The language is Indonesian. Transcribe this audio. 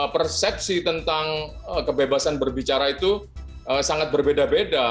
persepsi tentang kebebasan berbicara itu sangat berbeda beda